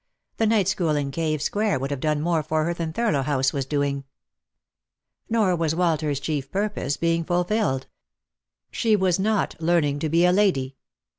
The night school in Cave square would have done more for her than Thurlow House was doing. Nor was Walter's chief purpose being fulfilled. She was not learning to be a lady.